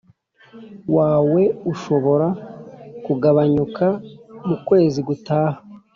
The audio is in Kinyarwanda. wawe ushobora kugabanyuka mukwezi gutaha